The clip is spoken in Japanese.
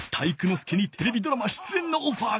介にテレビドラマ出えんのオファーが！